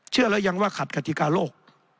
เชื่อเรายังว่าขัดกฎิกาโลก